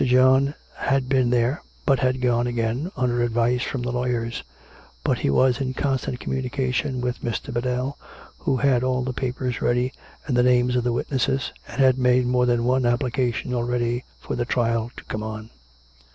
John had been there, but had gone again, under advice from the lawyers; but he was in constant communication with Mr. Biddell, who had all the papers ready and the names of the witnesses, and had made more than one application already for the trial to come on.